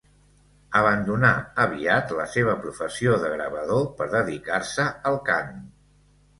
Abandonà aviat la seva professió de gravador per dedicar-se al cant.